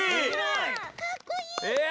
かっこいい。